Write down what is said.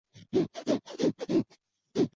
曾任远东国际军事法庭检察官顾问。